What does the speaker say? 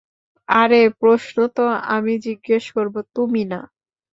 আরে প্রশ্ন তো আমি জিজ্ঞেস করবো, তুমি না।